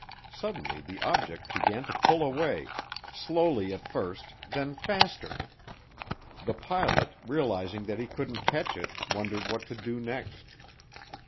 Suddenly the object began to pull away, slowly at first, then faster. The pilot, realizing that he couldn't catch it, wondered what to do next.